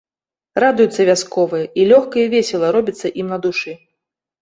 Радуюцца вясковыя і лёгка, і весела робіцца ім на душы.